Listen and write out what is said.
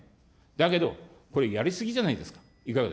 だけど、これ、やり過ぎじゃないですか。